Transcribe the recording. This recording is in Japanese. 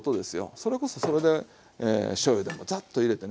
それこそそれでしょうゆでもザッと入れてね